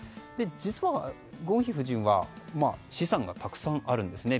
実は、ゴンヒ夫人は資産がたくさんあるんですね。